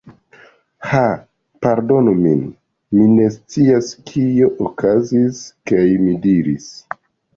Haa... pardonu min... mi ne scias kio okazis. kaj mi diris: